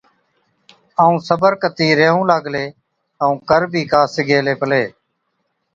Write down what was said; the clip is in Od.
ائُون پڇي صبر ڪتِي ريهُون لاگلِي، ائُون ڪر بِي ڪا سِگھي هِلِي پلِي۔